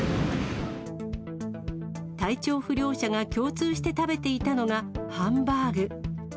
体調不良者が共通していて食べていたのがハンバーグ。